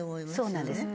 そうなんですね